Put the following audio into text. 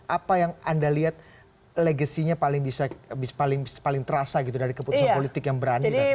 apa yang anda lihat legasinya paling terasa gitu dari keputusan politik yang berani